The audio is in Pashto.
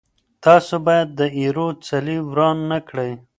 تاسو باید د ايرو څلی وران نه کړئ.